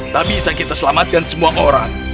tak bisa kita selamatkan semua orang